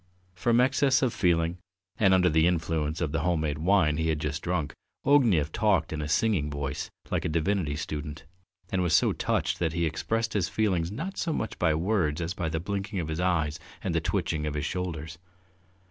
From excess of feeling and under the influence of the home made wine he had just drunk, Ognev talked in a singing voice like a divinity student, and was so touched that he expressed his feelings not so much by words as by the blinking of his eyes and the twitching of his shoulders.